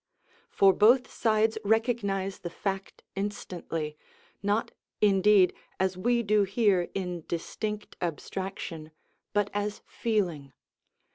For both sides recognise the fact instantly, not, indeed, as we do here in distinct abstraction, but as feeling.